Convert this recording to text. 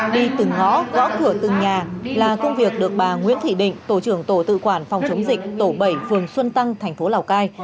đi từng ngõ gõ cửa từng nhà là công việc được bà nguyễn thị định tổ trưởng tổ tự quản phòng chống dịch tổ bảy phường xuân tăng thành phố lào cai